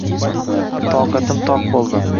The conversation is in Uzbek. Toqatim-toq bo'ldi